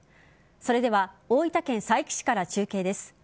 それでは大分県佐伯市から中継です。